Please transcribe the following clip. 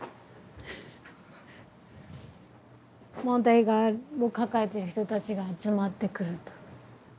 問題を抱えてる人たちが集まってくると。